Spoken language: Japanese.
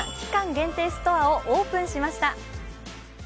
限定ストアをオープンしました。